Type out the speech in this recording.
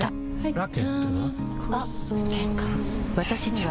ラケットは？